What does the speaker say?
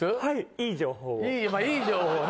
いい情報ね。